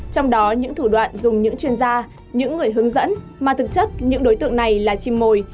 trong đó những thủ đoạn dùng những chuyên gia những người hướng dẫn mà thực chất những đối tượng này là chim mồi